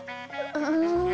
うん。